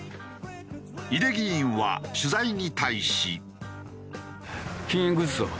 井手議員は取材に対し。